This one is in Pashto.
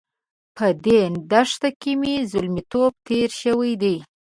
په دې دښته کې مې زلميتوب تېر شوی دی.